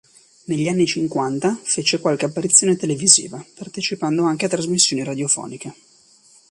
Negli anni cinquanta, fece qualche apparizione televisiva, partecipando anche a trasmissioni radiofoniche.